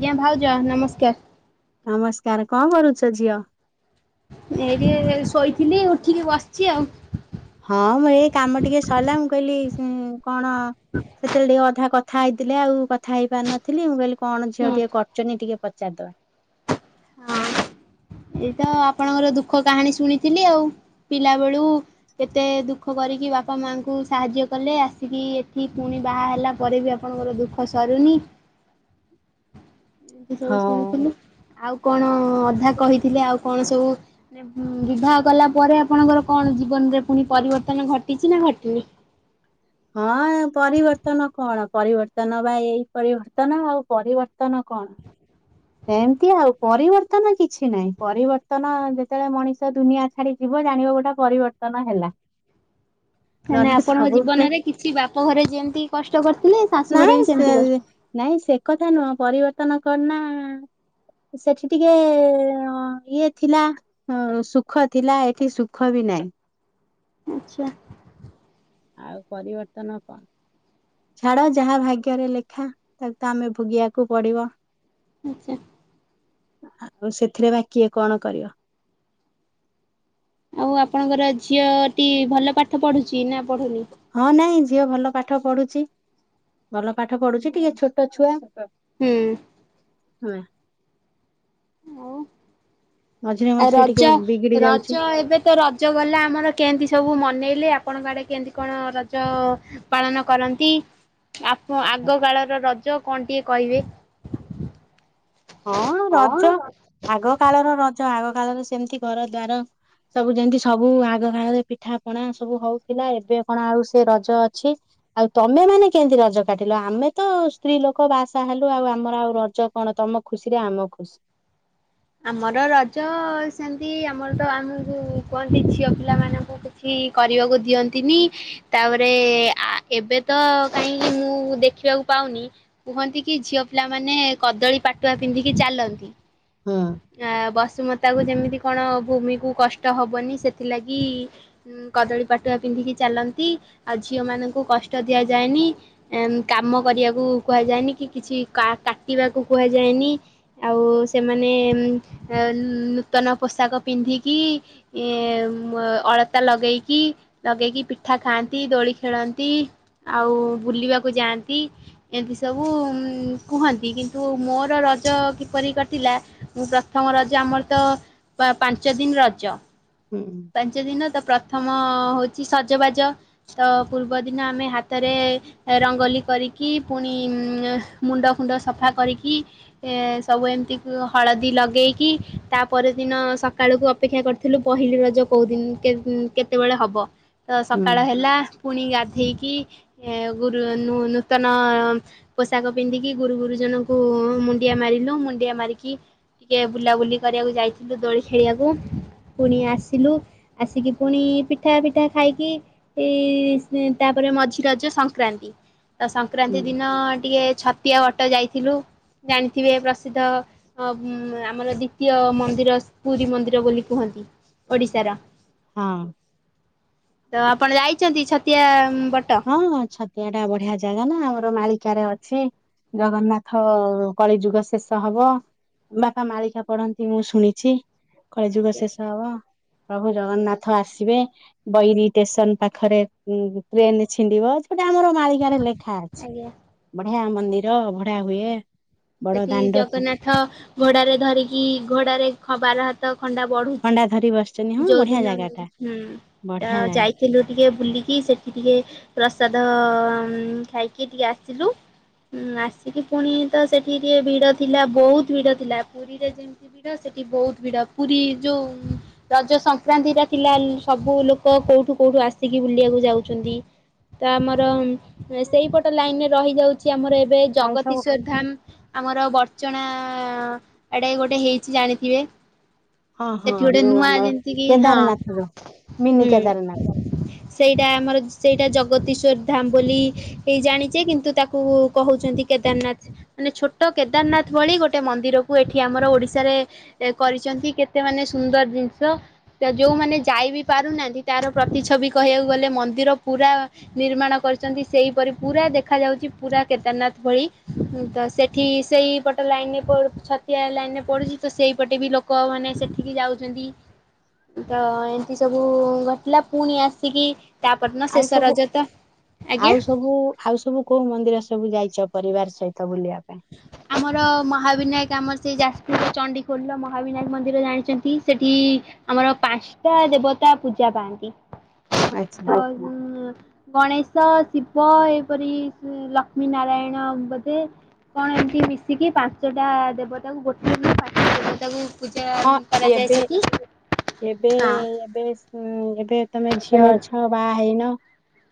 ଆଜ୍ଞା ଭାଉଜା ନମସ୍କାର। ନମସ୍କାର କଣ କରୁଚ ଝିଅ? ଏଇଠୀ ଶୋଇଥିଲି ଉଠିକି ବସିଚି ଆଉ। ହଁ ମୁଁ ଏଇ କାମ ଟିକେ ସରିଲା ମୁଁ କହିଲି କଣ ସେତେବେଳେ ଟିକେ ଅଧା କ ଥା ହେଇଥିଲେ ଆଉ କଥା ହେଇ ପାରି ନଥିଲି ମୁଁ କହିଲି କଣ ଝିଅ ହୁଁ ଟିକେ କରିୁଚନ୍ତିି ଟିକେ ପଚାରିଦବା। [unintelligible] ଏଇତ ଆପଣଙ୍କର ଦୁଃଖ କାହାଣୀ ଶୁଣିଥିଲି ଆଉ ପିଲା ବେଳୁ କେତେ ଦୁଃଖ କରିକି ବାପା ମାଙ୍କୁ ସାହାଯ୍ୟ କଲେ ଆସିକି ଏଠି ପୁଣି ବାହା ହେଲା ପରେ ବି ଆ ଆପଣଙ୍କର ଦୁଃଖ ସରୁନି। [unintelligible] ଏମିତି ସବୁ ହଁ। ଶୁଣିଥିଲୁ ଆଉ କଣ ଅଧା କହିଥିଲେ ଆଉ କଣ ସବୁ ନେ ବିବାହ କଲା ପରେ ଆପଣଙ୍କର କଣ ଜୀବନରେ ପୁଣି ପରିବର୍ତ୍ତନ ଘଟିଚି ନା ଘଟିନି? ହଁ ପରିବର୍ତ୍ତନ କଣ ପରିବର୍ତ୍ତନ ବା ଏଇ ପରିବର୍ତ୍ତନ ଆଉ ପରିବର୍ତ୍ତନ କଣ? ସେମିତି ଆଉ ପରିବର୍ତ୍ତନ କିଛି ନାହିଁ ପରିବର୍ତ୍ତନ ଯେତେବେଳେ ମଣିଷ ଦୁନିଆ ଛାଡି ଯିବ ଜାଣିବ ଗୋଟେ ପରିବର୍ତ୍ତନ ହେଲା। ମାନେ ନହେଲେ ଆପଣଙ୍କ ସବୁବେଳେ ଜୀବନରେ କିଛି ବାପ ଘରେ ଯେମିତି କଷ୍ଟ କରିଥିଲେ ଶାଶୁ ଘରେ ନାଇଁ ବି ସେ ସେମିତି କଷ୍ଟ। ନାଇଁ ସେ କଥା ନୁହଁ ପରିବର୍ତନ କରନା ସେଠି ଟିକେ ଅ ଇଏ ଥିଲା। ହଁ ସୁଖ ଥିଲା ଏଠି ସୁଖ ବି ନାହିଁ। ଆଚ୍ଛା। ଆଉ ପରିବର୍ତ୍ତନ କଣ? ଛାଡ ଯାହା ଭାଗ୍ୟରେ ଲେଖା ତାକୁ ତ ଆମେ ଭୋଗିବାକୁ ପଡିବ। ଆଚ୍ଛା। ଆଉ ସେଥିରେ ବା କିଏ କଣ କରିବ? ଆଉ ଆପଣଙ୍କର ଝିଅଟି ଭଲ ପାଠ ପଢୁଚି ନା ପଢୁନି? ହଁ ନାଇଁ ଝିଅ ଭଲ ପାଠ ପଢୁଚି ଭଲ ପାଠ ପଢୁଚି ଟିକେ ଛୋଟ ଛୁଆ। ହୁଁ। ହଁ। ଆ ରଜ ରଜ ଏବେ ତ ରଜ ଗଲା ଆମର କେମିତି ସବୁ ମନେଇଲେ ଆପଣଙ୍କ ଆଡେ କେମତି କଣ ରଜ ପାଳନ କରନ୍ତି। ଆପ ଆଗ କାଳର ରଜ କଣ ଟିକେ କହିବେ? ହଁ ରଜ ହଁ ଆଗ କାଳର ରଜ ଆଗ କାଳର ସେମିତି ଘର ଦ୍ବାର ସବୁ ଯେମିତି ସବୁ ଆଗ କାଳରେ ପିଠା ପଣା ସବୁ ହଉଥିଲା ଏବେ କଣ ଆଉ ସେ ରଜ ଅଛି? ଆଉ ତମେ ମାନେ କେମତି ରଜ କାଟିଲ ଆମେ ତ ସ୍ତ୍ରୀ ଲୋକ ବାହା ସାହା ହେଲୁ ଆଉ ଆମର ଆଉ ରଜ କଣ ତମ ଖୁସିରେ ଆମ ଖୁସି। ଆମର ରଜ ସେମତି ଆମର ତ ଆମ ଯଉ କୁହନ୍ତି ଝିଅ ପିଲା ମାନଙ୍କୁ କି କିଛି କରିବାକୁ ଦିଅନ୍ତିନି। ତାପରେ ଆ ଏବେ ତ କାଇଁ ମୁଁ ଦେଖିବାକୁ ପାଉନି। କୁହନ୍ତି କି ଝିଅ ପିଲା ମାନେ କଦଳୀ ପାଟୁଆ ପିନ୍ଧିକି ଚାଲନ୍ତି। ହଁ। ଆ ବସୁମତାକୁ ଯେମିତି କଣ ଭୂମିକୁ କଷ୍ଟ ହବନି ସେଥିଲାଗି। ଇ କଦଳୀ ପାଟୁଆ ପିନ୍ଧିକି ଚାଲନ୍ତି ଆଉ ଝିଅମାନଙ୍କୁ କଷ୍ଟ ଦିଆଯାଏନି। ଏମ କାମ କରିବାକୁ କୁହାଯାଏନି କି କିଛି କା-କାଟିବାକୁ କୁହାଯାଏନି। ଆଉ ସେମାନେ ଉଁ ଅ ନୂତନ ପୋଷାକ ପିନ୍ଧିକି ଏ ମ ଅ ଅଳତା ଲଗେଇକି ଲଗେଇକି ପିଠା ଖାଆନ୍ତି ଦୋଳି ଖେଳନ୍ତି ଆଉ ବୁଲିବାକୁ ଯାଆନ୍ତି। ଏମିତି ସବୁ ଉଁ କୁହନ୍ତି କିନ୍ତୁ ମୋର ରଜ କିପରି କ ଟିଲା ମୁଁ ପ୍ରଥମ ରଜ ଆମର ତ ପା ପାଞ୍ଚ ଦିନି ରଜ। ହୁଁଁ। ପାଞ୍ଚ ଦିନ ତ ପ୍ରଥମ ହଉଛି ସଜବାଜ ତ ପୂର୍ବଦିନ ଆମେ ହାତରେ ରଙ୍ଗୋଲି କରିକି ପୁଣି ଉଁ ମୁଣ୍ଡ ଫୁଣ୍ଡ ସଫା କରିକି ଏ ସବୁ ଏମିତି ଅ ହଳଦୀ ଲଗେଇକି ତାପର ଦିନ ସକାଳକୁ ଅ ଅପେକ୍ଷା କରିଥିଲୁ ପହିଲି ରଜ କୋଉ ଦିନ କେ କେତେବେଳେ ହବ ତ ହୁଁ ସକାଳ ହେଲା। ପୁଣି ଗାଧେଇକି ଏ ଗୁରୁ ନୁ ନୂତନ। ପୋଷାକ ପିନ୍ଧିକି ଗୁରୁ ଗୁରୁଜନଙ୍କୁ ମୁଣ୍ଡିଆ ମାରିଲୁ ମୁଣ୍ଡିଆ ମାରିକି ଟିକେ ବୁଲାବୁଲି କରିବାକୁ ଯାଇଥିଲୁ ଦୋଳି ଖେଳିବାକୁ ପୁଣି ଆସ ସିଲୁ ଆସିକି ପୁଣି ପିଠା ଫିଟା ଖାଇକି ଏଇ ସ ତାପରେ ମଝି ରଜ ସଂକ୍ରାନ୍ତି। ତ ସଂକ୍ରାନ୍ତି ହୁଁ। ଦିନ ଟିକେ ଛତିଆ ବଟ ଯାଇଥିଲୁ ଜାଣିଥିବେ ପ୍ରସିଦ୍ଧ। ଅ ବ ଆମର ଦ୍ଵିତୀୟ ମନ୍ଦିର ସ ପୁରୀ ମନ୍ଦିର ବୋଲି କୁହନ୍ତି। ଓଡ଼ିଶାର। ହଁ। ତ ଆପଣ ଯାଇଛନ୍ତି ଛତିଆ ଉଁ ବଟ? ହଁ ଛତିଆ ଟା ବଢିଆ ଜାଗା ନା ଆମର ମାଳିକାରେ ଅଛି। ଜଗନ୍ନାଥ କଳିଯୁଗ ଶେଷ ହବ। ବାପା ମାଳିକା ପଢନ୍ତି ମୁଁ ଶୁଣିଛି କଳି ଯୁଗ ଆଜ୍ଞା ଶେଷ ହବ। ପ୍ରଭୁ ଜଗନ୍ନାଥ ଆସିବେ ବଇରି ଟେସନ୍ ପାଖରେ ଉଁ ଟ୍ରେନ ଛିଣ୍ଡିବ ସେଇଟା ଆମର ମାଳିକାରେ ଲେଖା। ଅଛି। ଆଜ୍ଞା।। ବଢିଆ ମନ୍ଦିର ଅଭଢ଼ା ହୁଏ। ବଡ ସେଠି ଦାଣ୍ଡ ଜଗନ୍ନାଥ ଘୋଡାରେ ଧରିକି ଘୋଡାରେ ଖ ବାରହାତ ଖଣ୍ଡା ବଢୁଛି। ଖଣ୍ଡା ଧରି ବସିଛନ୍ତି ହଁ ବଢିଆ ଯୋଉଦିନ ଜାଗା ଟା ହୁଁ ତ ବଢିଆ ଜାଗା ଯାଇଥିଲୁ ଟିକେ ବୁଲିକି ସେ ଟିକେ ପ୍ରସାଦ ଉଁ ଖାଇକି ଟିକେ ଆସିଲୁ। ଉଁ ଆସିକି ପୁଣି ତ ସେଠି ଟିକେ ଭିଡ ଥିଲା ବହୁତ୍ ଭିଡ ଥିଲା ପୁରୀରେ ଯେମ ଭିଡ ସେଠି ବହୁତ୍ ଭିଡ ପୁରୀ ଯୋଉ ଉଁ। ରଜ ସଂକ୍ରାନ୍ତି ଟା ଥିଲା ଲ ସବୁ ଲୋକ କୋଉଠୁ କୋଉଠୁ ଆସିକି ବୁଲିବାକୁ ଯାଉଛନ୍ତି। ତ ଆମର ଉଁ ଏ ସେଇପଟ ଲାଇନ୍ ରେ ରହିଯାଉଛି ଆମର ଏବେ ଏଇ ଆଉ ସବୁ ଜଗତୀଶର ଧାମ। ଆମର ବର୍ଚ୍ଚଣା ଆଡ଼େ ଗୋଟେ ହେଇଛି ଜାଣିଥିବେ? ହଁ ହଁ ସେଠି ଗୋଟେ ଯୋଉ ନୂଆ ଆମର ଯେମିତି କିି ହଁ କେଦାରନାଥ ଯୋଉ ମିନି କେଦାରନାଥ ହୁଁ। ସେଇଟା ଆମର ସେଇଟା ଜଗତୀଶ୍ୱର ଧାମ ବୋଲି ଏଇ ଜାଣିଚେ କିନ୍ତୁ ତାକୁ କହୁଛନ୍ତି କେଦାର ନାଥ। ମାନେ ଛୋଟ କେଦାର ନାଥ ଭଳି ଗୋଟେ ମନ୍ଦିରକୁ ଏଠି ଆମର ଓଡ଼ିଶାରେ। ଏ କରିଛନ୍ତି କେତେ ମାନେ ସୁନ୍ଦର ଜିନିଷ। ତ ଯୋଉମାନେ ଯାଇ ବି ପାରୁନାହାନ୍ତି ତାର ପ୍ରତି ଛବି କହିବାକୁ ଗଲେ ମନ୍ଦିର ପୁରା। ନିର୍ମାଣ କରିଛନ୍ତି ସେଇପରି ପୁରା ଦେଖାଯାଉଛି ପୁରା କେଦାର ନାଥ ଭଳି ତ୍ ସ ସେଠି ସେଇପଟ ଲାଇନ୍ ପ ଛତିଆ ଲାଇନ୍ ରେ ପଡ଼ୁଛି ତ ସେଇପଟେ ବି ଲୋକମାନେ ସେଠି କି ଯାଉ ଛନ୍ତି ତ ଏମିତି ସବୁ ଘଟିଲା ପୁଣି ଆସିକି ତାପର ଦିନ ଆଉ ଶେଷ ସବୁ ରଜ ତ ଆଜ୍ଞା? ଆଉ ସବୁ ଆଉ ସବୁ କୋଉ ମନ୍ଦିର ସବୁ ଯାଇଛ ପରିବାର ସହିତ ବୁଲିବା ପାଇଁ? ଆମର ମହାବିନାୟକ ଆମର ସେ ଯାଜପୁର ଚଣ୍ଡିଖୋଲର ମହାବିନାୟକ ମନ୍ଦିର ଜାଣିଛନ୍ତି ସେଠି ଆମର ପାଞ୍ଚଟା ଦେବତା ପୂଜା ପାଆନ୍ତି ଆଚ୍ଛା [unintelligible] ଗଣେଶ ଶିବ ଏହିପରି ଲକ୍ଷ୍ମୀ ନାରାୟଣ ବୋଧେ କଣ ଏମିତି ମିଶିକି ପାଞ୍ଚଟା ଦେବ ତାକୁ ଗୋଟେ [unintelligible] ଦେବ ତାକୁ ହଁ ଏବେ ଏବେ ହଁ। ଏବେ ହୁଁ ଏବେ ତମେ ଝିଅ ଅଛ ବାହା ହେଇନ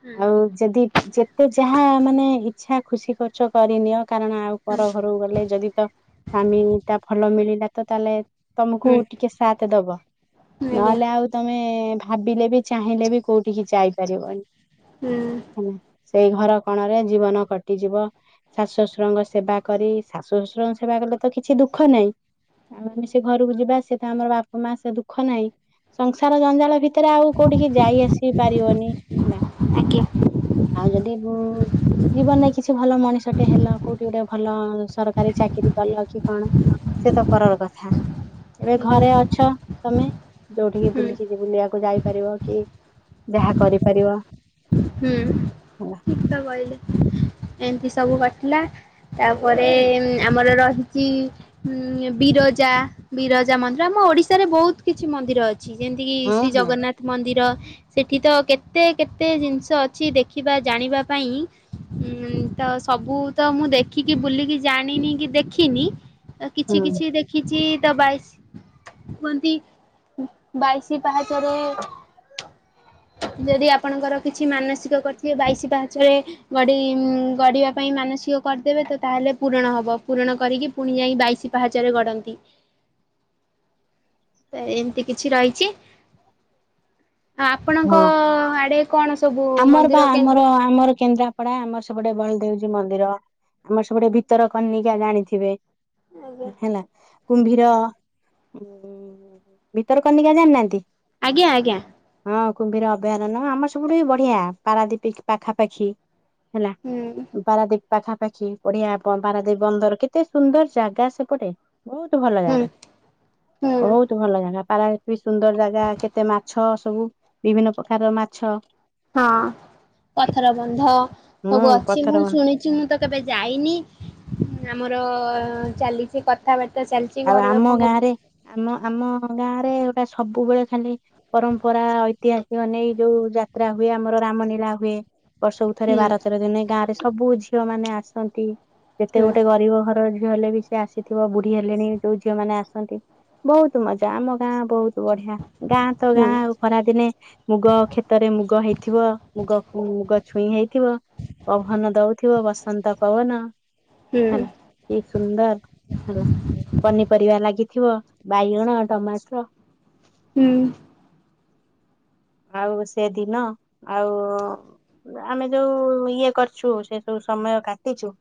ହୁଁ ଆଉ ଯଦି ଯେତେ ଯାହା ମାନେ ଇଛା ଖୁସି କରୁଚ କରିନିଅ କାରଣ ଆଉ ହୁଁ ପର ଘରକୁ ଗଲେ ଯଦି ତ ସମୀ ତା ଭଲ ମିଳିଲା ତ ତାହେଲେ ତମକୁ ଟିକେ ସାଥ ଦବ ହୁଁ ଆଜ୍ଞା ନହେଲେ ଆଉ ତମେ ଭାବିଲେ ବି ଚାହିଁଲେ ବି କୋଉଠିିକି ଯାଇପାରିବନି। ହୁଁ ହେଲା ସେଇ ଘର କଣରେ ଜୀବନ କଟିଯିବ। ଶାଶୁ ଶଶୁରଙ୍କ ସେବା କରି ଶାଶୁ ଶଶୁରଙ୍କ ସେବା କଲେ ତ କିଛି ଦୁଃଖ ନାହିଁ। ଆଉ ଆ ସେ ଘରକୁ ଯିବା ସିଏ ତ ଆମର ବାପା ମା ସେ ଦୁଃଖ ନାହିଁ ସଂସାର ଜଞ୍ଜାଳ ଭିତ ଏଥିରେ ଆଉ କୋଉଠିକି ଯାଇ ଆସି ପାରିବନି। ହେଲା ଆଜ୍ଞା। ଆଉ ଯଦିଁ ହୁଁ ଉଁ ଆଜ୍ଞା ଜୀବନରେ କିଛି ଭଲ ମଣିଷଟେ ହେଲ କୋଉଠି ଗୋଟେ ଭଲ ସରକାରୀ ଚାକିରି କଲ କି କଣ ସେ ତ ପରର କଥା। ଏବେ ହୁଁ ଘରେ ଅଛ ତମେ ଯୋଉଠିକି ବୁଲିକି ବୁଲିବାକୁ ଯାଇପାରିବ। କି ଯାହା କରିପାରିବ। ହୁଁ ହେଲା। ଠିକ ତ କହିଲେ ଏମିତି ସବୁ କଟିଲା। ତାପରେ ଆମର ରହିଛି ଉଁ ବିରଜା ବିରଜା ମନ୍ଦିର ଆମ ଓଡିଶାରେ ବହୁତ କିଛି ମନ୍ଦିର ଅ ଛି ଯେମତିକି ହଁ ଶ୍ରୀ ହଁ। ଜଗନ୍ନାଥ ମନ୍ଦିର ସେଠି ତ କେତେ କେତେ ଜିନ ତ ଅଛି ଦେଖିବା ଜାଣିବା ପାଇଁ? ଉଁ ତ ସବୁ ତ ମୁଁ ଦେଖିକି ବୁଲିକି ଜାଣିନି କି ଦେଖିନି। ଆ କିଛି ହୁଁ କିଛି ଦେଖିଛି ଦବାଇସ କୁହନ୍ତି। ବାଇଶି ପାହାଚରେ ଯଦି ଆପଣଙ୍କର କି କିଛି ମାନସିକ କରିଥିବେ ବାଇଶ ପାଞ୍ଚରେ ଗଡ଼ି ଉଁ ଗଡ଼ିବା ପାଇଁ ମାନସିକ କରିଦେବେ ତ ତାହେଲେ ପୂରଣ ହବ ପୂରଣ କରିକି ପୁଣି ଯାଇ ବାଇଶ ପାହାଚରେ ଗଡ଼ନ୍ତି। ତ ଏମିତି କିଛି ରହିଛି। ଆ ଆପଣଙ୍କ ହଁ ଆଡେ କଣ ସବୁ ଆମର ବା ମନ୍ଦିର କେନ୍ଦ୍ର ଆମର ଆମର କେନ୍ଦ୍ରା ପଡା ଆମର ସେପଟେ ବଳଦେବ ଜୀଉ ମନ୍ଦିର ଆମର ସେପଟେ ଭିତର କନିକା ଜାଣିଥିବେ। ଆଜ୍ଞା। ହେଲା। କୁମ୍ଭୀର ଉଁ ଭିତରକନିକା ଜାଣିନାହାନ୍ତି? ଆଜ୍ଞା ଆଜ୍ଞା। ହଁ କୁମ୍ଭୀର ଅଭୟାରଣ୍ୟ ଆମର ସବୁଠୁ ବି ବଢିଆ। ପାରାଦୀପ ପାଖାପାଖି ହେଲା ହୁଁ ପରାଦୀପ ପାଖାପାଖି ପଢିଆ ପାରାଦେବୀ ବନ୍ଦର କେତେ ସୁନ୍ଦର ଜାଗା ସେପଟେ ବହୁତ ଭଲ ହୁଁ ଜାଗା ହୁଁ ବହୁତ ଭଲ ଜାଗା। ପାରାଦ୍ୱୀପ ବି ସୁନ୍ଦର ଜାଗା କେତେ ମାଛ ସବୁ ବିଭିନ୍ନ ପ୍ରକାର ମାଛ। ହଁ ପଥର ବନ୍ଧ ହୁଁ ସବୁ ଅଛି ମୁଁ ପଥର ଶୁଣି ଛି ମୁଁ ତ କେବେ ଯାଇନି ଆମର ଚାଲିଛି କ କଥାବାର୍ତ୍ତା ଚାଲିଛି ଆଉ ଘର ଆମ ଲୋକଙ୍କ ଗାଁରେ ଆମ ଆମ ଗାଁ ରେ ଗୋଟା ସବୁବେଳେ ଖାଲି ପରମ୍ପରା ଐତିହାସିକ ନେଇ ଯୋଉ ଯାତ୍ରା ହୁଏ ଆମର ରାମ ଲୀଳା ହୁଏ। ବର୍ଷକୁ ଥରେ ହୁଁ ବାର ତେର ଦିନ ଗାଁ ରେ ସବୁ ଝିଅ ମାନେ ଆସନ୍ତି। ଯେତେ ହୁଁ ଗୋଟେ ଗରିବ ଘର ଝିଅ ହେଲେ ବି ସେ ଆସିଥିବ ବୁଢୀ ହେ ଲେଣି ଯୋଉ ଝିଅ ମାନେ ଆସନ୍ତି ବହୁତ ମଜା ଆମ ଗାଁ ବହୁତ ବଢିଆ ଗାଁ ତ ହୁଁ ଗାଁ। ଖରାଦିନେ ମୁଗ କ୍ଷେତରେ ମୁଗ ହେଇଥିବ ମୁଗ ମୁଗ ଛୁଇଁ ହେଇଥିବ। ପବନ ଦଉଥିବ ବସନ୍ତ ପବନ ହୁଁ ହେଲା। କି ସୁନ୍ଦର ହେଲା। ପନିପରିବା ଲାଗିଥିବ ବାଇଗଣ ଟମାଟ ହୁଁ ଆଉ ସେଦିନ ଆଉ ଆମେ ଯୋଉ ଇଏ କରିଛୁ ସେ ସବୁ ସମୟ କାଟିଛୁ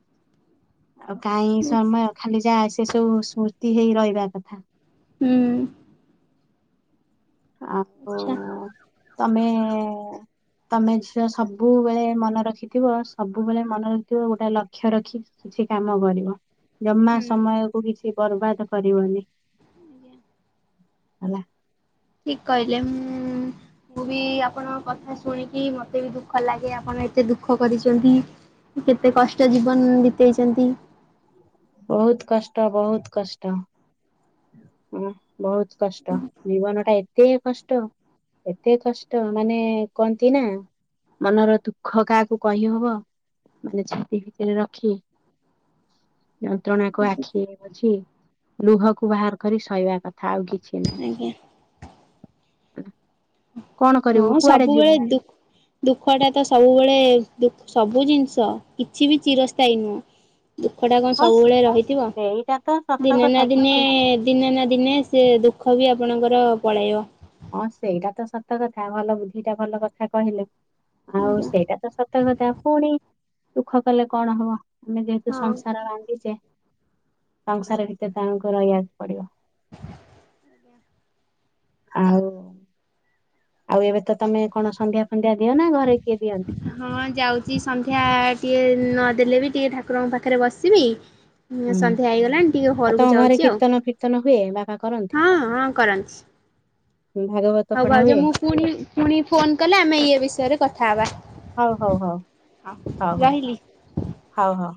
ଆଉ କାହିଁ ହୁଁ ସମୟ ଖାଲି ଯାହା ସେ ସବୁ ସ୍ମୃର୍ତି ହେଇ ରହିବା କଥା ହୁଁ ହଁ ତମେ ତମେ ଝିଅ ସବୁବେଳେ ମନେ ରଖିଥିବ ସବୁବେଳେ ମନେ ରଖିଥିବ ଗୋଟେ ଲକ୍ଷ୍ୟ ରଖି କିଛି କାମ କରିବ ଜମା ହୁଁ ସମୟ କୁ କିଛି ବର୍ବାଦ କରିବନି ଆଜ୍ଞା ହେଲା ଠିକ କହିଲେ ମୁଁ ମୁଁ ବି ଆପଣ କଥା ଶୁଣିକି ମତେ ବି ଦୁଃଖ ଲାଗେ ଆପଣ ଏତେ ଦୁଃଖ କରିଛନ୍ତି କେତେ କଷ୍ଟ ଜୀବନ ବିତେଇଛନ୍ତି ବହୁତ କଷ୍ଟ ବହୁତ କଷ୍ଟ ବହୁତ କଷ୍ଟ ଜୀବନ ଟା ଏତେ କଷ୍ଟ ଏତେ କଷ୍ଟ ମାନେ କୁହନ୍ତି ନା ମନର ଦୁଃଖ କାହାକୁ କହିହବ ମାନେ ଛାତି ଭିତରେ ରଖି ଯନ୍ତ୍ରଣା କୁ ଆଖି ବୁଝି ଲୁହକୁ ବାହାର କରି ଶୋଇବା କଥା ଆଉ କିଛି ନାହି ଆଜ୍ଞା କଣ କରିବୁ ହଁ କୁଆଡେ ଯିବୁ? ସବୁବେଳେ ଦୁଃଖ ଦୁଃଖଟା ତ ସବୁବେଳେ ଦ ସବୁ ଜିନିଷ କିଛି ବି ଚିରସ୍ଥାୟୀ ନୁହେଁ ଦୁଃଖ ଟା କଣ ହଁ ସବୁବେଳେ ରହିଥିବ ସେଇଟା ତ ସତ ଦିନେ ନା କଥା ଦିନେ କିଛି ଦିନେ ନା ଦିନେ ସେ ଦୁଃଖ ବି ଆପଣଙ୍କର ପଳାଇବ ହଁ ସେଇଟା ତ ସତ କଥା ଭଲ ବୁଦ୍ଧିଟା ଭଲ କଥା କହିଲେ ଆଉ ଆଜ୍ଞା ସେଇଟା ତ ସତ କଥା ପୁଣି ଦୁଃଖ କଲେ କଣ ହବ ଆମେ ଯେହେତୁ ହଁ। ସଂସାର ବାନ୍ଧିଛେ ସଂସାର ଭିତରେ ତାଙ୍କୁ ରହିବାକୁ ପଡିବ ଆଉ ଆଉ ଏବେ ତ ତମେ କଣ ସନ୍ଧ୍ୟା ଫନ୍ଧ୍ୟା ଦିଅ ନା ଘରେ କିଏ ଦିଅ ହଁ ଯାଉଛି ସନ୍ଧ୍ୟା ଟିକଏ ନଦେଲେ ବି ଟିକେ ଠାକୁରଙ୍କ ପାଖରେ ବସିବି ହୁଁ। ସନ୍ଧ୍ୟା ହେଇଗଲାଣି ଟିକେ ଆଉ ତମ ଘରକୁ ଘରେ ଯାଉଛି ଆଉ କୀର୍ତ୍ତନ ଫୀର୍ତ୍ତନ ହୁଏ ବାପା କରନ୍ତି ହଁ ହଁ କରନ୍ତି ଭାଗବତ ହଉ ପଢା ଭାଉଛ ହୁଏ? ମୁଁ ପୁଣି ପୁଣି ଫୋନ କଲେ ଆମେ ଇଏ ବିଷୟରେ କଥା ହବା ହଉ ହଉ ହଉ ହଁ ହଉ ହଉ ରହିଲ ହଉ ହଉ